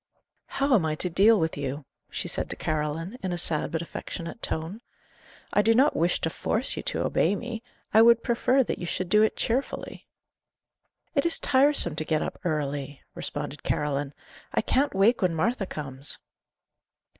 "How am I to deal with you?" she said to Caroline, in a sad but affectionate tone. "I do not wish to force you to obey me; I would prefer that you should do it cheerfully." "It is tiresome to get up early," responded Caroline. "I can't wake when Martha comes."